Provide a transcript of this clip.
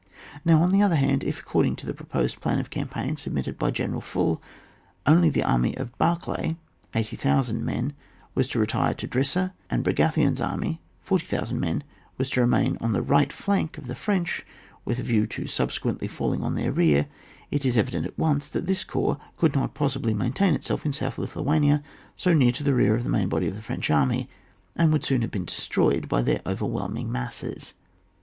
Now on the other hand, if according to the proposed plan of campaign submitted by General Phul, only the army of Barclay (80,000 men), was to retire to Drissa, and Braga tbion's army (40,000 men) was to remain on the right flank of the French, with a view to subsequently falling on their rear, it is evident at once that this corps could not possibly maintain itself in South Lithuania so near to the rear of the main body of the French army, and would soon have been destroyed by their overwhelm ing masses.